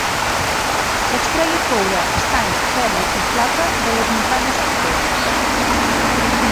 S'extreia coure, estany, ferro i plata de les muntanyes properes.